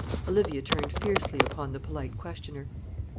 Olivia turned fiercely upon the polite questioner.